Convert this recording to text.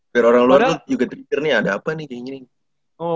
biar orang luar juga trikir nih ada apa nih kayak gini